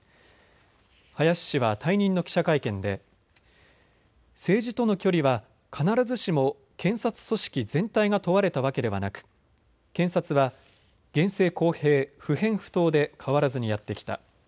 林氏は退任の記者会見で政治との距離は必ずしも検察組織全体が問われたわけではなく検察は厳正公平・不偏不党で変わらずにやってきた。